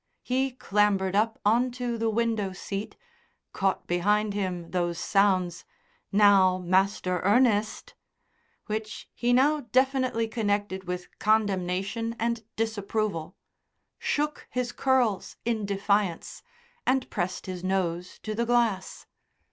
He clambered up on to the window seat, caught behind him those sounds, "Now, Master Ernest," which he now definitely connected with condemnation and disapproval, shook his curls in defiance, and pressed his nose to the glass.